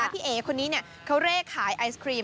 พี่เอ๋คนนี้เนี่ยเขาเรียกขายไอศครีม